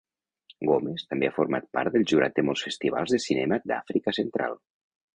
Gomes també ha format part del jurat de molts festivals de cinema d'Àfrica Central.